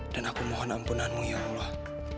dan aku mohon ampunanmu ya allah